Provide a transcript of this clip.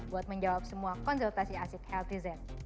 buat menjawab semua konsultasi asik healthy zen